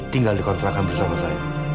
tinggal dikontrakan bersama saya